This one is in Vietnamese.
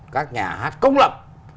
các nhà hát công lập